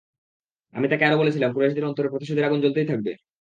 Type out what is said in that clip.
আমি তাকে আরো বলেছিলাম, কুরাইশদের অন্তরে প্রতিশোধের আগুন জ্বলতেই থাকবে।